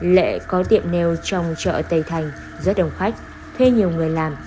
lệ có tiệm neo trong chợ tây thành rất đông khách thuê nhiều người làm